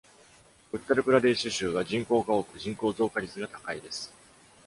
ウッタル・プラデーシュ州は人口が多く、人口増加率が高いです。